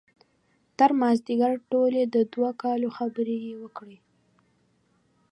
تر مازدیګر ټولې د دوه کالو خبرې یې وکړې.